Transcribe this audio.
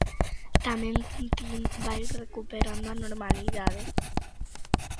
Tamén Guntín vai recuperando a normalidade.